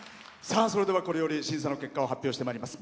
それでは、これより審査の結果を発表してまいります。